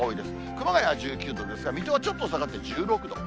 熊谷は１９度ですが、水戸はちょっと下がって１６度。